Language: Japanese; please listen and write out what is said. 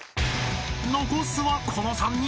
［残すはこの３人］